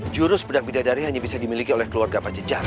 jurus pedang bidadari hanya bisa dimiliki oleh keluarga pajajar